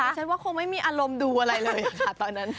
ฉันว่าคงไม่มีอารมณ์ดูอะไรเลยค่ะตอนนั้น